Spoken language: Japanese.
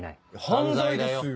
犯罪だよ。